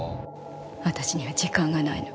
私には時間がないの。